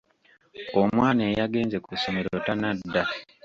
Omwana eyagenze ku ssomero tannadda?